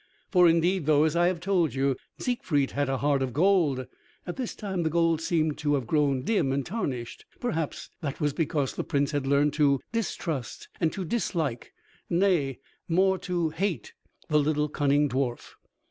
For indeed though, as I have told you, Siegfried had a heart of gold, at this time the gold seemed to have grown dim and tarnished. Perhaps that was because the Prince had learned to distrust and to dislike, nay, more, to hate the little, cunning dwarf.